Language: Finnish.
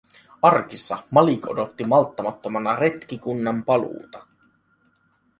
Arkissa Malik odotti malttamattomana retkikunnan paluuta.